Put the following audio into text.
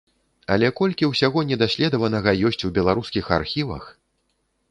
Але колькі ўсяго недаследаванага ёсць у беларускіх архівах!